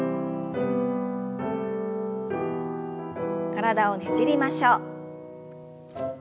体をねじりましょう。